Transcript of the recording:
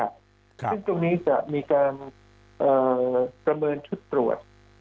ซึ่งตรงนี้จะมีการประเมินชุดตรวจ